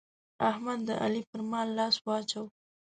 احمد د علي پر مال لاس واچاوو.